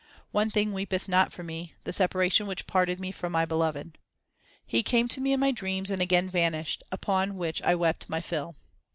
One thing weepeth not for me, the separation which parted me from my Beloved. He came to me in my dreams and again vanished, upon which I wept my fill.